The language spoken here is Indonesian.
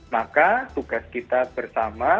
maka tugas kita bersama